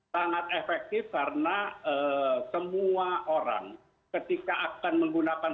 sangat efektif karena semua orang ketika akan menggunakan